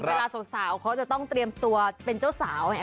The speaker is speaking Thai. เวลาสาวเขาจะต้องเตรียมตัวเป็นเจ้าสาวเนี่ย